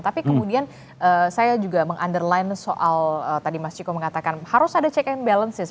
tapi kemudian saya juga meng underline soal tadi mas ciko mengatakan harus ada check and balances